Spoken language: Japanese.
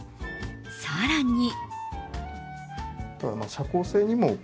更に。